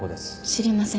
知りません。